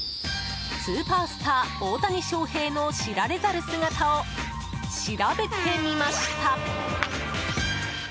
スーパースター・大谷翔平の知られざる姿を調べてみました。